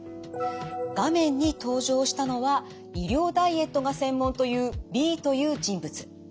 画面に登場したのは医療ダイエットが専門というＢという人物。